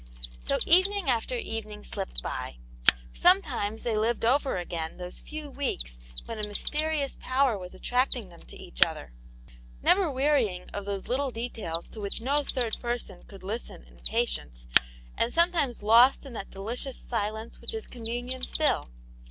So evening after evening slipped by. Sometimes they lived over again those few weeks when a mys terious power was attracting them to each other, never wearying of those little details to which no third person could listen in patience, and sometimes lost in that delicious silence which is communion still.